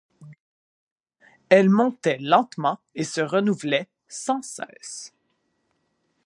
Elle montait lentement et se renouvelait sans cesse.